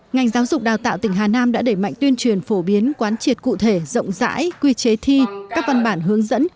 ngành giáo dục đào tạo tỉnh hà nam đã đẩy mạnh tuyên truyền phổ biến quán triệt cụ thể rộng rãi quy chế thi các văn bản hướng dẫn